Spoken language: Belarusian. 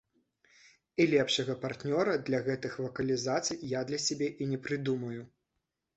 І лепшага партнёра для гэтых вакалізацый я для сябе і не прыдумаю.